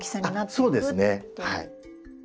そうですねはい。